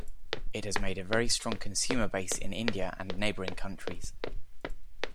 It has made a very strong consumer base in India and neighboring countries.